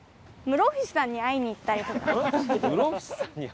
室伏さんに会いに行ってるの？